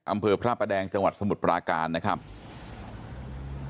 อำเภอพระประแดงจังหวัดสมุทรปราการนะครับ